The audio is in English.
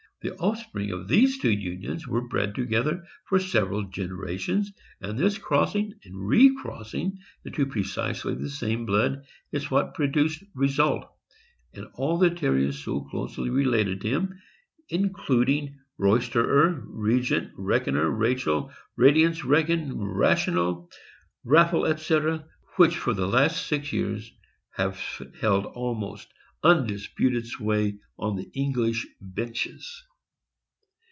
The off spring of these two unions were bred together for several generations, and this crossing and recrossing into precisely the same blood is what produced Result and all the Ter riers so closely related to him, including Roysterer, Regent, Reckoner, Rachel, Radiance, Reckon, Rational, Raffle, etc., which for the past six years have held almost un disputed sway on the English benches.